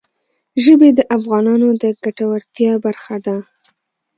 ژبې د افغانانو د ګټورتیا برخه ده.